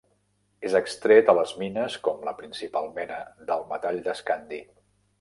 És extret a les mines com la principal mena del metall d'escandi.